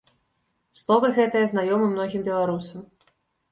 Словы гэтыя знаёмы многім беларусам.